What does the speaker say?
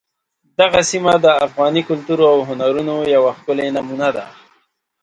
دغه سیمه د افغاني کلتور او هنرونو یوه ښکلې نمونه ده.